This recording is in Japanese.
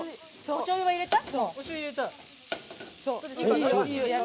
おしょうゆ、入れた。